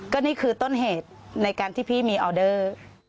ก็นี่คือต้นเหตุในการที่พี่มีออเดอร์